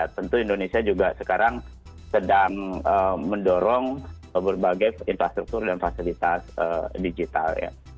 tentu indonesia juga sekarang sedang mendorong berbagai infrastruktur dan fasilitas digital